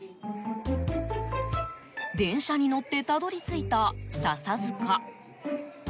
電車に乗ってたどり着いた笹塚。